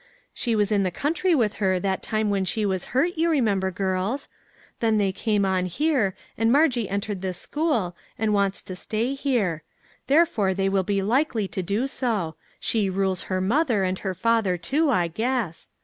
She was in the country with her that time when she was hurt, you remember, girls; then they came on here, and Margie entered this school, and wants to stay here ; therefore they will be likely to do so ; she rules her mother, and her father too, I guess.